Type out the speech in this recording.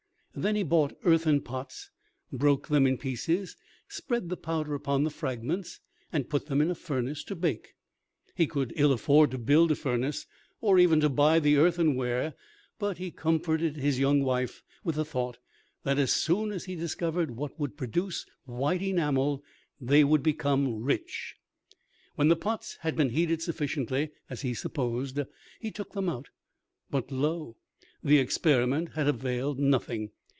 Then he bought earthen pots, broke them in pieces, spread the powder upon the fragments, and put them in a furnace to bake. He could ill afford to build a furnace, or even to buy the earthenware; but he comforted his young wife with the thought that as soon as he had discovered what would produce white enamel they would become rich. When the pots had been heated sufficiently, as he supposed, he took them out, but, lo! the experiment had availed nothing.